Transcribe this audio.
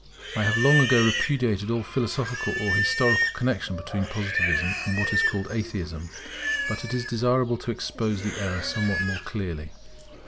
I have long ago repudiated all philosophical or historical connexion between Positivism and what is called Atheism. But it is desirable to expose the error somewhat more clearly.